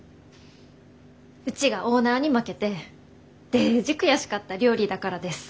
うちがオーナーに負けてデージ悔しかった料理だからです。